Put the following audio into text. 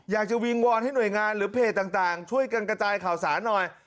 วิงวอนให้หน่วยงานหรือเพจต่างช่วยกันกระจายข่าวสารหน่อย